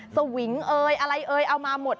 สวิงเอยอะไรเอ่ยเอามาหมด